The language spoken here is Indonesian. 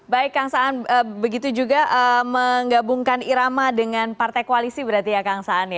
baik kang saan begitu juga menggabungkan irama dengan partai koalisi berarti ya kang saan ya